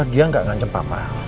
dia gak ngancam papa